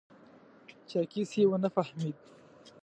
چاکېس یې و نه فهمېد.